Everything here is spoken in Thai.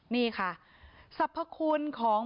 นี่ค่ะสรรพคุณของ